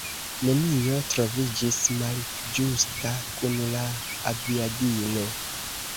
Nenio troviĝis malĝusta kun la aviadilo.